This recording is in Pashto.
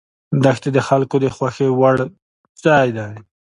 دښتې د خلکو د خوښې وړ ځای دی.